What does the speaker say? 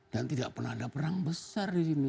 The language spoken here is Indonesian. dan tidak pernah ada perang besar disini